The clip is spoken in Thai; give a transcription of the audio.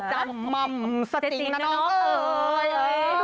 จำม่ำสติงนะน้อง